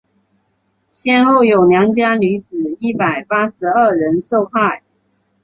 先后有良家女子一百八十二人受害。